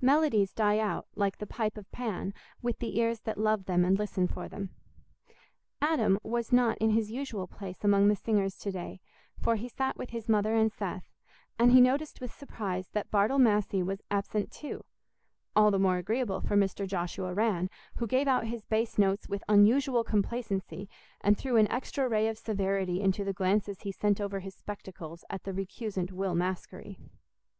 Melodies die out, like the pipe of Pan, with the ears that love them and listen for them. Adam was not in his usual place among the singers to day, for he sat with his mother and Seth, and he noticed with surprise that Bartle Massey was absent too—all the more agreeable for Mr. Joshua Rann, who gave out his bass notes with unusual complacency and threw an extra ray of severity into the glances he sent over his spectacles at the recusant Will Maskery.